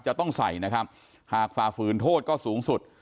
จะต้องใส่นะครับหากฝ่าฝืนโทษก็สูงสุด